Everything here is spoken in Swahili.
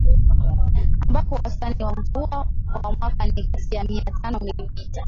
ambapo wastani wa mvua kwa mwaka ni kati ya mia tano Milimita